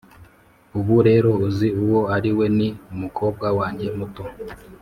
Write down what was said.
ubu rero uzi uwo ari we, ni umukobwa wanjye muto.